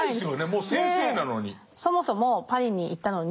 もう先生なのに。